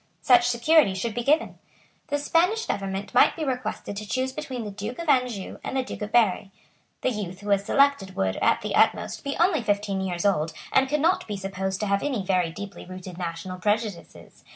Such security should be given. The Spanish government might be requested to choose between the Duke of Anjou and the Duke of Berry. The youth who was selected would, at the utmost, be only fifteen years old, and could not be supposed to have any very deeply rooted national prejudices.